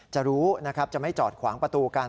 จะรู้นะครับจะไม่จอดขวางประตูกัน